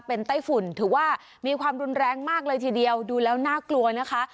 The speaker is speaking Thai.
เป็นไต้ฝุ่นถือว่ามีความรุนแรงมากเลยทีเดียวดูแล้วน่ากลัวนะคะ